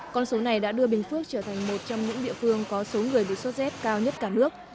con số này đã đưa bình phước trở thành một trong những địa phương có số người bị số z cao nhất cả nước